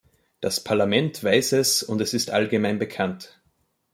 Das Parlament weiß es, und es ist allgemein bekannt.